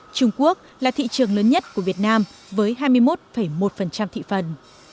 trung quốc là thị trường lớn nhất của việt nam với hai mươi một một thị phần